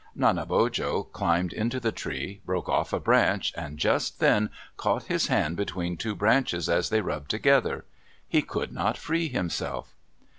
Nanebojo climbed into the tree, broke off a branch, and just then caught his hand between two branches as they rubbed together. He could not free himself.